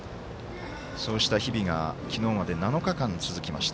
そうした日々が昨日まで７日間、続きました。